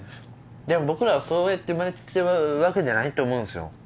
でも僕らはそうやって生まれてきているわけじゃないと思うんですよ。